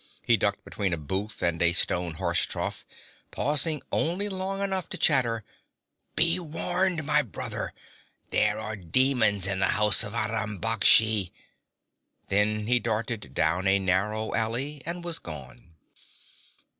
He ducked between a booth and a stone horse trough, pausing only long enough to chatter: 'Be warned, my brother! There are demons in the house of Aram Baksh!' Then he darted down a narrow alley and was gone.